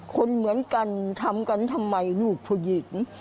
คนเหมือนกันทำกันทำไมลูกผู้หญิง